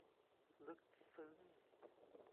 ลึกซึ้ง